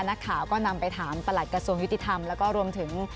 นักข่าวก็นำไปถามประหลัดกระทรวงยุติธรรมแล้วก็รวมถึง